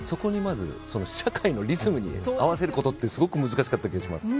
社会のリズムに合わせることってすごく難しかった気がします。